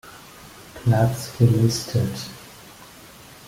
Platz gelistet.